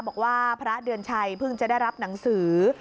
บอกว่าพระเดือนชัยเพิ่งจะได้รับหนังสือ